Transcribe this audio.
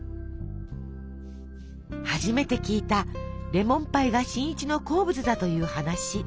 初めて聞いたレモンパイが新一の好物だという話。